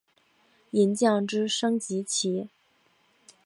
银将之升级棋。